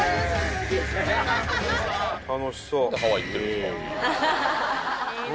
楽しそう。